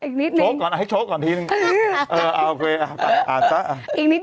ชกไว้ก่อนน่ะเอาให้พี่กอมชกก่อนทีนึง